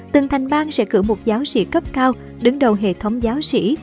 từng thành bang sẽ cử một giáo sĩ cấp cao đứng đầu hệ thống giáo sĩ